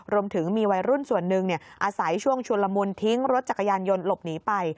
รวมถึงมีวัยรุ่นส่วนหนึ่งอาศัยช่วงชุนละมุนทิ้งรถจักรยานยนต์หลบหนีไป